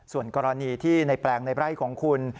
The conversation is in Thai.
ส่วนกรณีที่ในแปลงในไร่ของคุณ